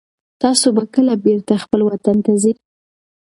تاسو به کله بېرته خپل وطن ته ځئ؟